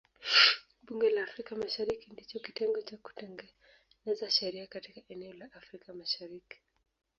Bunge la Afrika Mashariki ndicho kitengo cha kutengeneza sheria katika eneo la Afrika Mashariki.